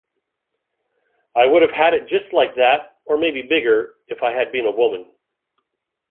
I would have had it just like that, or maybe bigger, if I had been a woman.